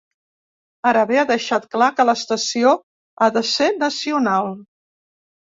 Ara bé, ha deixat clar que l’estació ha de ser nacional.